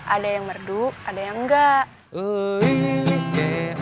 ada yang merdu ada yang enggak